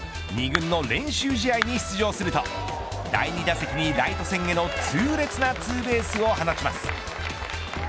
２軍の練習試合に出場すると第２打席にライト線への痛烈なツーベースを放ちます。